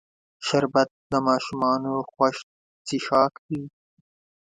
شربت د ماشومانو خوښ څښاک دی